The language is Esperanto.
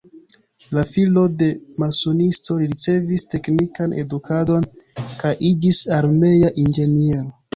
La filo de masonisto, li ricevis teknikan edukadon kaj iĝis armea inĝeniero.